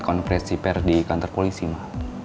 konferensi per di kantor polisi mah